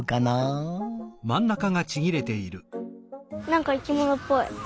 なんかいきものっぽい。